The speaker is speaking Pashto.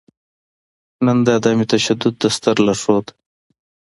نــن د عـدم تـشدود د ســتــر لارښــود